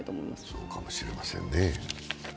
そうかもしれませんね。